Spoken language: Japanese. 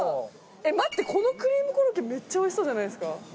待ってこのクリームコロッケめっちゃおいしそうじゃないですか？